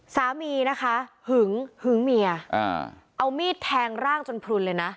สามีนะคะหึงหึงเมียเอามีดแทงร่างจนพลุนเลยนะ